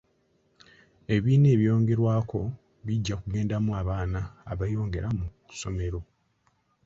Ebibiina ebyongerwako bijja kugendamu abaana abeeyongera mu ssomero.